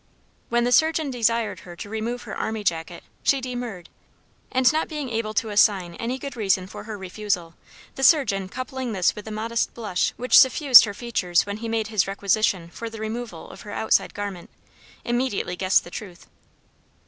When the surgeon desired her to remove her army jacket she demurred, and not being able to assign any good reason for her refusal, the surgeon coupling this with the modest blush which suffused her features when he made his requisition for the removal of her outside garment, immediately guessed the truth.